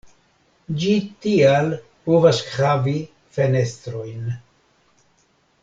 Ĝi tial povas havi fenestrojn.